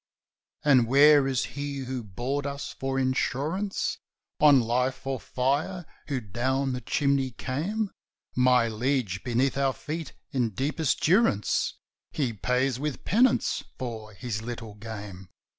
"And where is he who bored us for insurance On life or fire, who down the chimney came?" "My liege, beneath our feet in deepest durance He pays with penance for his little game."